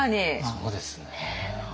そうですね。